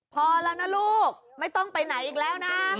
พอแล้วนะลูกไม่ต้องไปไหนอีกแล้วนะ